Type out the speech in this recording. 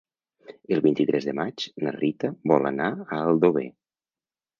El vint-i-tres de maig na Rita vol anar a Aldover.